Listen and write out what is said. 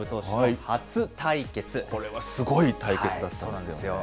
これはすごい対決だったんでそうなんですよ。